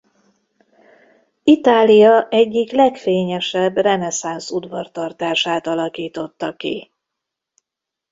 Itália egyik legfényesebb reneszánsz udvartartását alakította ki.